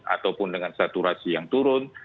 ataupun dengan saturasi yang turun